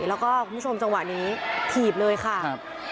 แล้วก็คุณผู้ชมจังหวะนี้ถีบเลยค่ะครับ